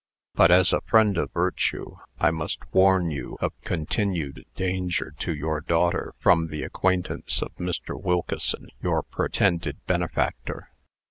But, as a friend of virtue, I must warn you of continued danger to your daughter from the acquaintance of Mr. Wilkeson, your pretended benefactor.